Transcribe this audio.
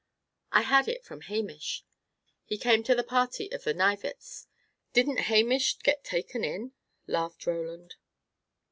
"I had it from Hamish. He came to the party at the Knivetts'. Didn't Hamish get taken in!" laughed Roland.